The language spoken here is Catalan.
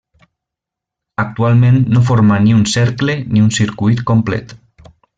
Actualment no forma ni un cercle ni un circuit complet.